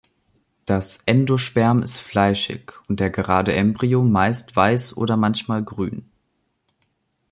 Das Endosperm ist fleischig und der gerade Embryo meist weiß oder manchmal grün.